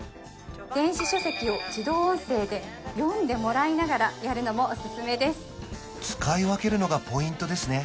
電子書籍を自動音声で読んでもらいながらやるのもおすすめです使い分けるのがポイントですね